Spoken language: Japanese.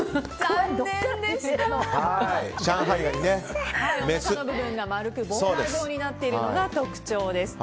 おなかの部分が丸くボーダー状になっているのが特徴です。